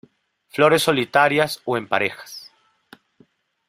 Flores solitarias o en parejas.